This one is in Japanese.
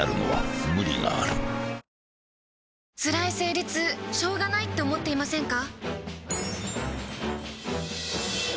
つらい生理痛しょうがないって思っていませんか？